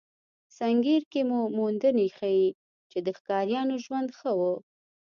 سنګیر کې موندنې ښيي، چې د ښکاریانو ژوند ښه و.